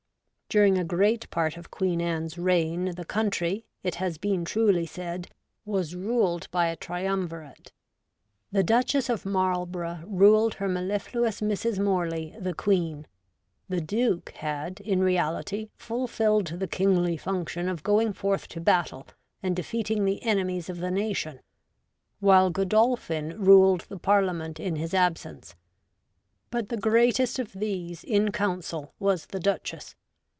During a great part of Queen Anne's reign the country, it has been truly said, was ruled by a Triumvirate : the Duchess of Marlborough ruled her mellifluous Mrs. Morley, the Queen ; the Duke had, in reality, fulfilled the kingly function of going forth to battle and defeating the enemies of the nation ; while Godolphin ruled the Parliament in his absence. But the greatest of these, in council, was the Duchess.